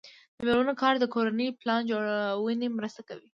د میرمنو کار د کورنۍ پلان جوړونې مرسته کوي.